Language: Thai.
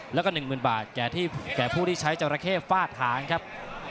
แล้วก็๑๐๐๐บาทแก่ผู้ที่ใช้จราเข้ฟาดหางครับ